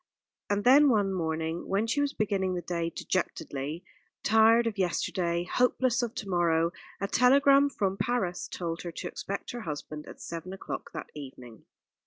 And then one morning, when she was beginning the day dejectedly, tired of yesterday, hopeless of to morrow, a telegram from Paris told her to expect her husband at seven o'clock that evening.